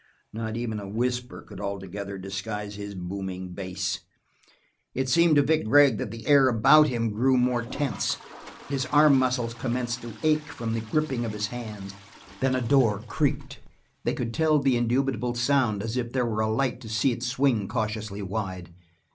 Not even a whisper could altogether disguise his booming bass. It seemed to Vic Gregg that the air about him grew more tense; his arm muscles commenced to ache from the gripping of his hands. Then a door creaked they could tell the indubitable sound as if there were a light to see it swing cautiously wide.